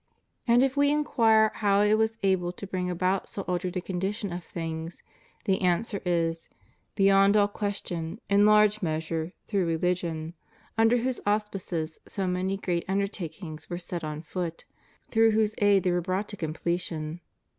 And if we inquire how it was able to bring about so altered a condition of things, the answer is — Beyond all question, in large measure, through religion; under whose auspices so many great under takings were set on foot, through whose aid they were brought to completion.